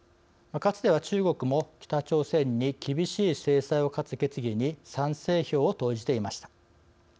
かつては中国も北朝鮮に厳しい制裁を課す決議に賛成票を投じていました。